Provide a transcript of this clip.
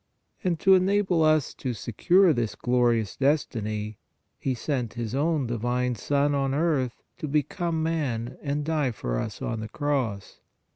And to enable us to secure this glorious destiny, He sent His own Divine Son on earth to become man and die for us on the cross.